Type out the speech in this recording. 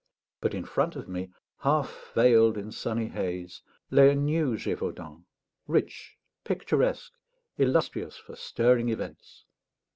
But in front of me, half veiled in sunny haze, lay a new Gévaudan, rich, picturesque, illustrious for stirring events.